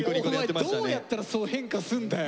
お前どうやったらそう変化すんだよ！